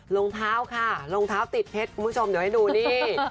รองเท้าค่ะรองเท้าติดเพชรคุณผู้ชมเดี๋ยวให้ดูนี่